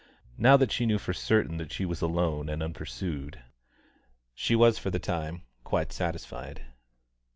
Now that she knew for certain that she was alone and unpursued, she was for the time quite satisfied.